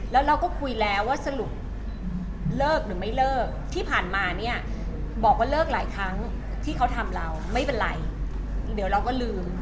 แล้วเราก็คุยแล้วว่าสรุปเลิกหรือไม่เลิกที่ผ่านมาเนี่ยบอกว่าเลิกหลายครั้งที่เขาทำเราไม่เป็นไรเดี๋ยวเราก็ลืม